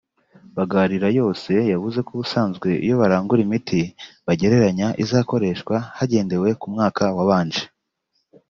Bagarirayose yavuze ko ubusanzwe iyo barangura imiti bagereranya izakoreshwa hagendewe ku mwaka wabanje